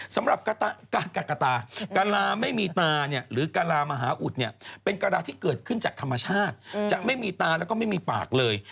สำหรับกตากะลาไม่มีตาเนี่ยหรือกะลามหาอุดเนี่ยเป็นกระดาที่เกิดขึ้นจากธรรมชาติจะไม่มีตาแล้วก็ไม่มีปากเลย